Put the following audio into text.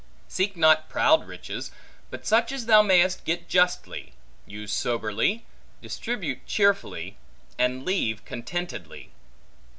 Seek not proud riches, but such as thou mayest get justly, use soberly, distribute cheerfully, and leave contentedly.